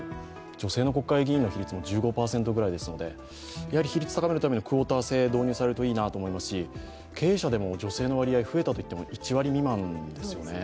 女性の国会議員の比率も１５％ぐらいですので比率を高めるためにクオーター制が導入されるといいなと思いますし、経営者でも女性の割合が増えたといっても１割未満ですよね。